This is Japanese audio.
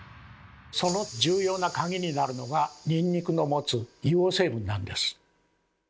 その重要な鍵になるのがニンニクの持つ硫黄成分なんです。